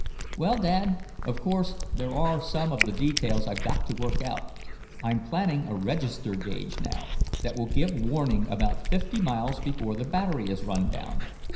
"Well, Dad, of course those are some of the details I've got to work out. I'm planning a register gauge now, that will give warning about fifty miles before the battery is run down.